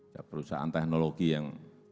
ada perusahaan teknologi yang